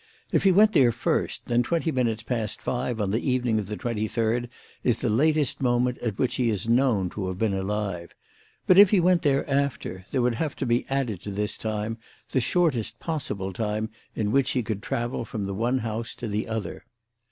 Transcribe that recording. If he went there first, then twenty minutes past five on the evening of the twenty third is the latest moment at which he is known to have been alive; but if he went there after, there would have to be added to this time the shortest possible time in which he could travel from the one house to the other.